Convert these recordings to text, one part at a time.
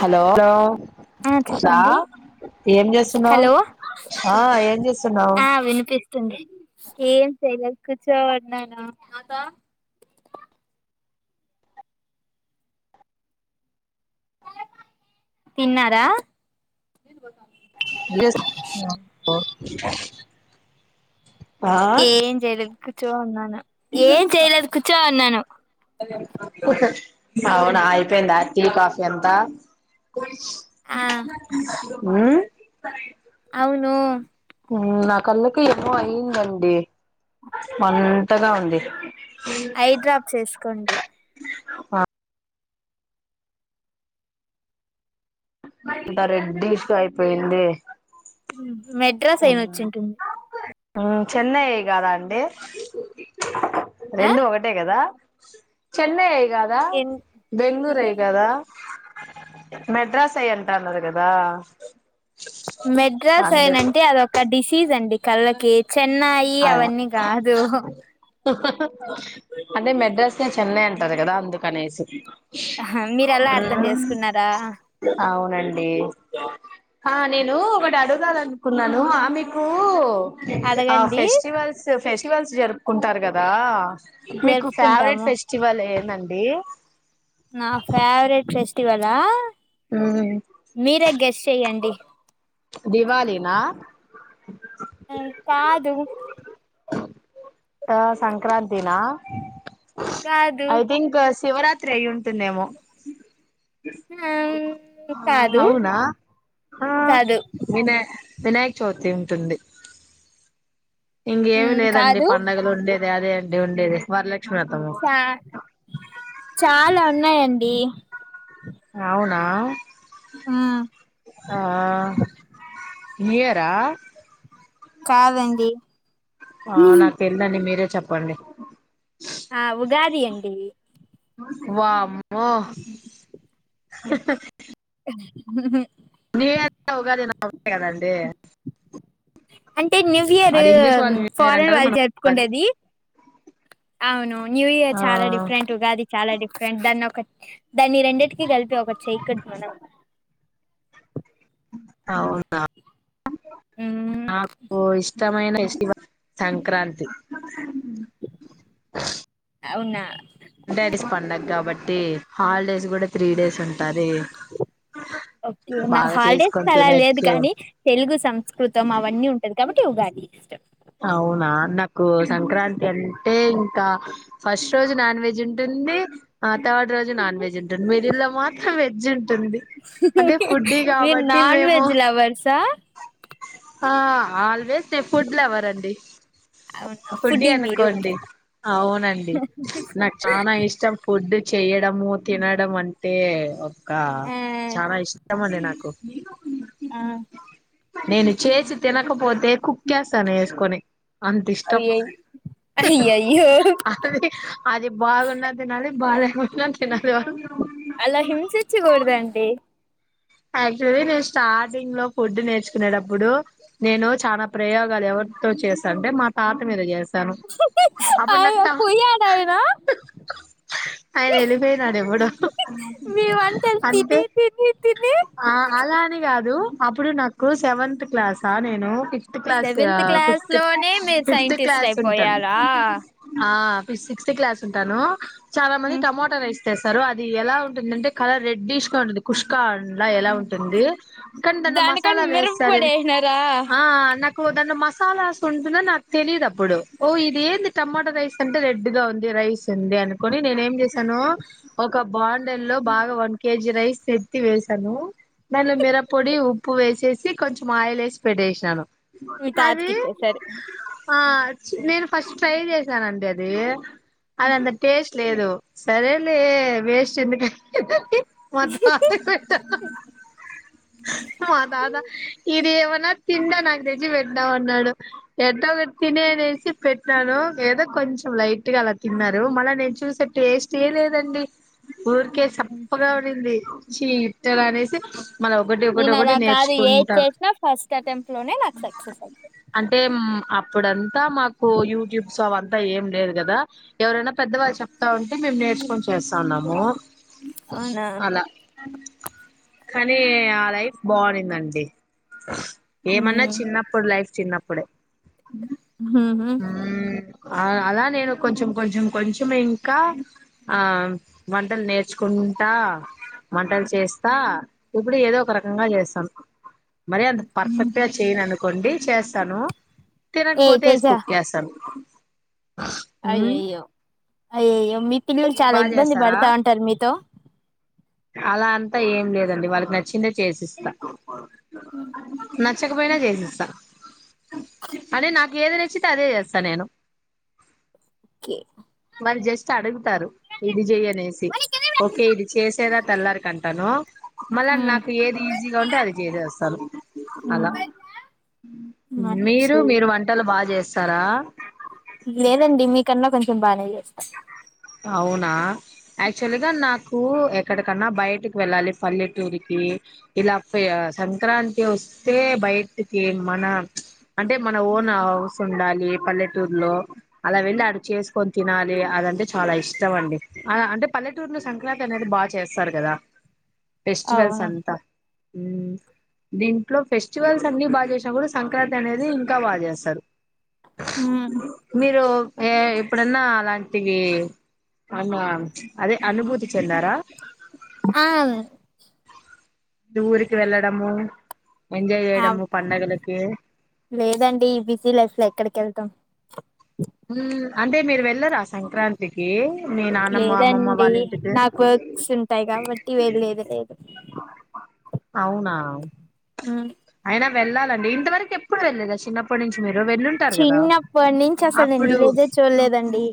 Hello ఆ ఉషా చెప్పండి ఏం చేస్తున్నావ్ హలో ఆ ఏం చేస్తున్నావ్ ఆ [inaudible] ఏం చేయలే కూచో ఉన్నాను నాతో తిన్నారా [inaudible] ఏం జెయ్ లేదు కు చ్చో వున్నాను ఏం చెయలేదు కూర్చో ఉన్నాను అవునా అయిపోయిందా టీ కాఫీ అంతా ఆ ఊ ఔనా నా కళ్ళకి ఎమో అయ్యిందండి మంతగా ఉంది ఐ డ్రాప్ ఏస్కోండి ఆ ద రెడ్డిస్ అయిపోయింది ఉమ్ మెడ్రాస్ ఐ నొచ్చింటుంది ఆ చెన్నై గాదా అండి ఆ రెండూ ఒకటే గదా చెన్నై దా బెంగళూరుగదా మెడ్రాస్ ఐ అంటాన్నారు కదా మెడ్రాస్ అయిన అందుకు అంటే అద ఒక డిసీజ్ అండి కళ్ళకి చెన్నయి అదే అవన్నీ కాదు అంటే మెడ్రాస్ న చెన్నై అంటారు కదా అందుకనేసి ఆ మీర ఎలా అర్థం చేసుకున్నారా అండి ఆ నేను ఒక ఆడు కాాల అనుకున్నాను ఆ మీకు ఆ అడగండి ఫెస్టివల్స్ ఫెస్టివల్స్ జరుపుకుంటారు కదా మీకు ఫేవరెట్ జరుపుకుంటాము ఫెస్టివల్ ఏ అండీ నా ఫేవరెట్ ఫెస్టివలా మీరే గెస్ చెయ్యండి దివాళినా కాదు ఆ సంక్రాంతినా కాదు ఐథింక్ శివరాత్రి అయ్యి టుందేమో కాదు అవునా ఆ కాదు వినాయ వినాయక చవితి ఉంటుంది. ఇంకేమి లేదండి కాదు పండగలు ఉండే అదే అండి ఉండేది, వరల క్ష్మి వ్రతము చ చాలా ఉన్నాయండి. అవునా ఆ న్యూఇయర్ ఆ కాదండి ఆ నాకు తెలిదండి, మీరే చెప్పండి. ఆ ఉగాది అండి. వామ్మో హుహ్ హుహ్ న్యూఇయర్ ఉగాది అయిన ఒకటే కదండి. అంటే న్యూ ఇయర్ అది ఇంగ్లీష్ వాళ్ళు న్యూ ఇయర్ ఫారెన్ అంటారు వాళ్ళు మనం ఉగాది జరుపుకుండేది. అవును న్యూ ఇయర్ ఆ చాలా డిఫరెంట్, ఉగాది చాలా డిఫరెంట్ దాన్ని ఒక దాన్ని రెండింటికిీ కలిపి ఒకటి చేయకూడదు మనం. అవునా నాకు ఇష్ ఇష్టమైన ఫెస్టివల్ సంక్రాంతి. అవునా డాడీస్ పండగ కాబట్టి హాలిడేస్ కూడా త్రీ డేస్ ఉంటాది. ఓకే నా హాలిడేస్ అలా లేదు తినొచ్చు కానీ తెలుగు, సంస్కృతం అవన్నీ ఉంటది కాబట్టి ఉగాది ఇష్టం. అవునా నాకు సంక్రాంతి అంటే ఇంకా ఫస్ట్ రోజు నాన్ వెజ్ ఉంటుంది, ఆ థర్డ్ రోజు నాన్ వెజ్ ఉంటుంది మీడిల్లో మాత్రం వెజ్ ఉంటుంది అంటే హుహుహ్ ఫుడ్డీ మీరు కాబట్టి నాన్ మేము వెజ్ లవర్సా ఆ ఆల్వేస్ తే ఫుడ్ లవర్ అండి. అవునా ఫుడ్డీ ఫుడ్డి మీరు అనుకోండి, అవునండి నాకు చాన ఇష్టం ఫుడ్ చెయడము తినడం అంటే కా ఆ చాన ఇష్ టం అండి నాకు. ఆ నేను చేసి తినకపోతే కుక్కేస్తాను ఏసుకొని. అంత ఇష్టం అయ్యయ్ అయ్యయ్యో అది అది బాగున్న తినాలే బాలే [unintelligible] అలా హింసించకూడదండి అదే రె స్టార్టింగ్ లో ఫుడ్ నేర్చు కునేటప్పుడు నేను చాన ప్రయోగాలు ఎవరితో చేస్తా అంటే మా తాత మీద చే స్తాను అప్పుడు అయ నక్క పోయాడాయన ఆయన వెళ్ళిపోయినాడు ఎప్పుడో మీ వంటలు తిని అంటే తిని తిని ఆ అలా అని కాదు అప్పుడు నాకు సెవెంత్ క్లాసా నేను fifth class seventh class fifth లోనే మీరు ఫిఫ్త్ సైంటిస్ట్ క్లాస్ ఉంట అయిపోయారా ఆ సిక్స్త్ క్లాస్ ఉంటాను చాలా మంది టమాటా రేస్ తె స్తారు అది ఎలా ఉంటుంది అంటే కలర్ రేడ్డీష్ గా ఉంటుంది కుష్ కాట్ అండ్లా ఏలా ఉంటుంది, కానీ దాన్ల దానికని మసాలా మిరప వేస్తారు. పొడి ఏసినారా ఆ నాకు దాన్ల మసాలాస్ ఉంటుందో నాకు తెలియదు అప్పుడు, ఓ ఇది ఏంది టమాటో రైస్ అంటే రెడ్ గా ఉంది రైస్ ఉంది అనుకుని నేను ఏం చేసాను, ఒక బాండిల్లో బాగా వన్ కేజీ రైస్ ఎత్తి వేసాను. దాన్ల మిరప్పొడి, ఉప్పు వేసేసి కొంచెం ఆయిల్ వేసి పెట్టేసినాను. మీ అది తాతకి ఇచ్చేసారు ఆ నేను ఫస్ట్ ట్రై చేశానండి అదీ అది అంత టేస్ట్ లేదు సరేలే వేస్టెందుకు మొత్తం మా తాత ఇ ఇది ఏమన్నా తిండా నాకు తెచ్చి పెట్టినావ్ అన్నాడు. ఎట్టొ గట్ట తినేయ్ అనేసి పెట్టినాను. ఏదో కొంచెం లైట్ గా అలా తిన్నారు మళ్ళ నేను చూసే టేస్ట్ ఏ లేదండి! ఊరికే సప్పగా ఉండింది. చీ ఇట్టగా అనేసి మళ్ళ ఒకటి ఒకటి నేను అలా ఒకటి కాదు ఏది నేర్చుకుంటాను చేసినా, ఫస్ట్ అటెంప్ట్ లోనే నాకు సక్సెస్ అయితది. అంటే అప్పుడంతా మాకు యూట్యూబ్స్ అవంతా ఏం లేదు కదా, ఎవరైనా పెద్దవాళ్ళు చెప్తా ఉం అంటే మేము నేర్చుకొని చేస్తాన్నాము అవునా అలా కానీ ఆ లైఫ్ బాగుడిందండి ఏమన్నా చిన్నప్పుడు లైఫ్ చిన్నప్పుడే ఊహ్మ్ ఆ అలా నేను కొంచెం కొంచెం కొంచెం ఇంకా ఆ వంటలు నేర్చుకుంటా మంటలు చేస్తా ఇప్పుడు ఏదో ఒక రకంగా చేస్తాను మర అంత పర్ఫెక్టుగా చేయఅనుకో కోండి చేస్తాను తిరగపోతే ఏసుకుక్కకెసను అయ్య అయ్యో అయ అయ్యో మీ పిల్లలు మీరు చాలా బాగా ఇబ్బంది చేస్తారా పడతా ఉంటారు మీతో అలా అంతా ఏం లేదండి వాళ్ళకి నచ్చిందే చేసిస్తా మర్ నచ్చకపోయినా చేసిస్తా అదే నా ఏది నచ్చితే అదే చేస్తా నేను ఓకే మరి జస్ట్ అడుగుతారు ఇది చెయనజేయ్ అనేసి ఓకే ఇది చేస్ లేద తెలారికంటాను మళ్ళా నాకు ఏది ఈజీగా ఉంటే అది చేసేస్తాను అలా మ్మ్ మీరు మీరు వంటలు బాగా చేస్ సరా లేదండి మీకన్నా కొంచెం బాగానే చేస్తా అవునా యాక్చువల్ గా నాకూ ఎక్కడికన్నా బయటకి వెళ్ళాలి పల్లెటూరికి ఇలా సంక్రాంతి వస్తే బయటికి మన అంటే మన ప్చ్ ఓన్ హౌస్ ఉండాలి పల్లెటూరులో అలా వెళ్ళి అడు చేసుకొని తినాలి అదంటే చాలా ఇష్టం అండి ఆ అంటే పల్లెటూరులో సంక్రాంతి అనేది బాగా చేస్తారు కదా ఫెస్టివల్స్ అవును అంతా ఊమ్ దీంట్లో ఫెస్టివల్స్ అన్ని బాగా చే కూడా సంక్రాంతి అనేది బ చేస్తారు మీరు ఏ ఇప్పుడన్నా అలాంటి టి అన్నా అదే అనుభూతి చెందారా ఆ ఊరికి వెళ్ళడము ఎంజాయ్ ఆ చేయడము పండగలకి లేదండి బిజీ లైఫ్ లో ఎక్కడికి వెళ్తాం మ్మ్ అంటే మీరు వెళ్ళలరా సంక్రాంతికి మీ నానమ్మ అమ్మమ్మ లేదండి వాళ్ళ ఇంటికి నాకు వర్క్స్ ఉంటాయి కాబట్టి వెళ్ళేది లేదు. అవునా ఉహ్ అయినా వెళ్ళాలండి ఇంతవరకు ఎప్పుడు వెళ్లేదా చిన్నప్పటి నుంచి మీరు వెళ్ళుంటారు కదా, చిన్నప్పటి నుంచి అసలు నేను అప్పుడు విలేజే చూడలేదండి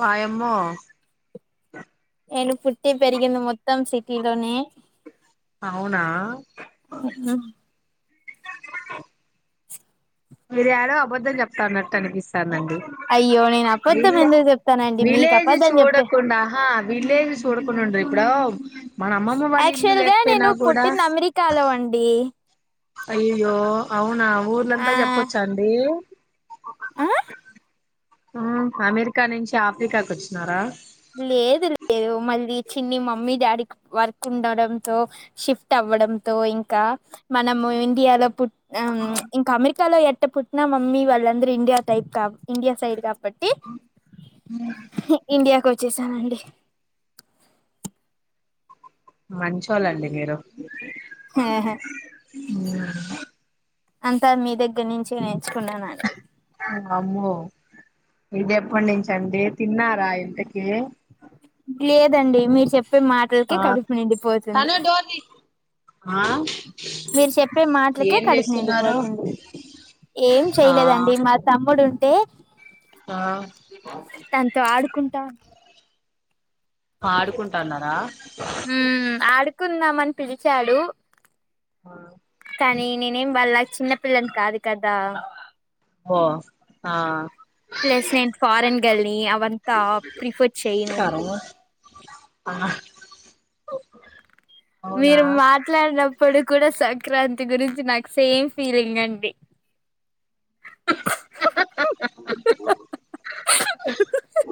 వాయమ్మో ఆ నేను పుట్టి పెరిగింది మొత్తం సిటీలోనే. అవునా మీరు ఏదో అబద్ధం చెప్తాన్నట్టు అనిపిస్తానండి అయ్యో నేను అబద్ధం విలే ఎందుకు చెప్తానండి మీకు విలేజ్ అబద్ధం చెప్తే చూడకుండ హహ విలేజ్ చూడకుండా ఉండరు. ఇప్పుడు మన అమ్మమ్మ వాళ్ళ ఇల్లు యాక్చువల్ గా లేకపోయినా నేను కూడా పుట్టింది అమెరికాలో అండి అయ్యోయో అవునా ఆ ఊర్లంతా చెప్పొచ్చా అండి. ఆ ఆ అమెరికా నుంచి ఆఫ్రికాకి వచ్చినారా లేదు లేదు మళ్ళీ చిన్ని మమ్మీ డాడీకి వర్క్ ఉండడంతో షిఫ్ట్ అవ్వడంతో, ఇంకా మనము ఇండియాలో పుట్ హమ్ ఇంకా అమెరి కా ఎట్ట పుట్టిన మమ్మీ వాళ్ళు అందరు ఇండియా టైప్ కబ్ ఇండియా సైడ్ కబ్ పట్టి ఇండియా వచ్చేసాను అండి. మంచోళ్లండి మీరు హే హే అంతా మీ దగ్గర నుంచి నేర్చుకున్నానండి [unintelligible] మన్నించండి తిన్నారా ఇంతకి ఏ లేదండి మీరు చెప్ చెప్పే మాటలకే ఆ కడుపు నిండిపోతుంది. తనే డోర్ తీ ఆ మీరు చెప్పే మాటలకే ఏం కడుపు చేస్తున్నారు నిండిపోతుంది. ఏం ఆ చెయలేదండి మా తమ్ముడు ఆ [unintelligible] తనతో ఆడుకుంటా ఆడుకుంటాన్నారా కుందామని పిలిచాడు కానీ నేనేమి వాళ్ళల చిన్నపిల్లనీ కాదు కదా ఓ ఆ ప్లస్ నేను ఫారెన్ గర్ల్‌ని, అవినంత ప్రిఫర్ చెయ్యను సరే ఆ అవునా మీరు మాట్లాడి ఇప్పుడు కూడా సంక్రాంతి గురించి నాకు సేమ్ ఫీలింగ్ అండి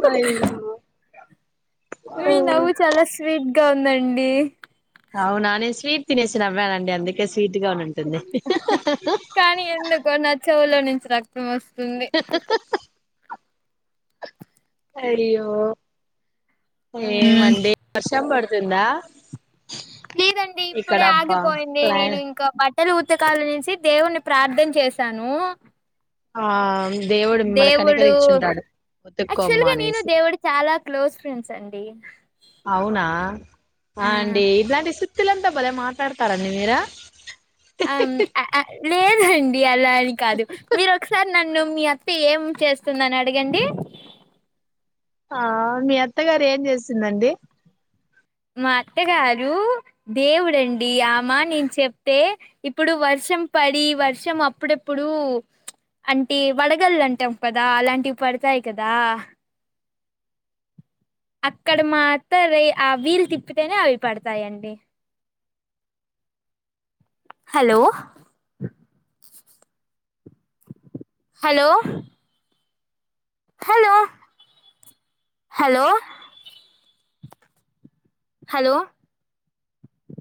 సరే మీ నవ్వు చాలా స్వీట్ ఇంకా ఉందండి అవునా నే స్వీట్ తినేసి నవ్వాను అండి అందుకే స్విట్ గానే ఉంటుంది కానీ ఎందుకో నా చెవులో నుంచి రక్తం వస్తుంది అయ్యో ఏ మండి వర్షం పడుతుంది తుందా లేదండి ఇప్పుడే ఆగిపోయింది క్లై నేను ఇంకా తను ఉతకాలి అనేసి దేవుణ్ణి ప్రార్థన చేశాను ఆ దేవుడు మిమ్మని దేవుడు కనుకరించి ఉంటాడు యాక్చువల్ ఊతుకోమ్మ గా నేను అనేసి దేవుడు చాలా క్లోజ్ ఫ్రెండ్స్ అండి అవునా ఆ అండ్ ఇట్లాంటి తుల్ అంతా బలే మాట్లాడతారా అండి మీరు ఆమ్ లేదండి ఎలా అని కాదు మీరు ఒకసారి నన్ను మీ అత్త ఏం చేస్తుందని అడగండి ఆ మీ అత్తగారు ఏం చేసిందండి మా అత్తగారు దేవుడండి అమ నేను చెప్తే ఇప్పుడు వర్షం పడి వర్షం అప్పుడప్పుడు అంటే వడగల్లుంటాం కదా అలాంటివి పడతాయి కదా అక్కడ మాత్రం ఆ వీలు తిప్పితేనే అవి పడతాయండి hello hello hello hello hello